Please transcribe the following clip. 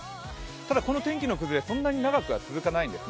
ただこの天気に崩れ、そんなに長くは続かないんですね。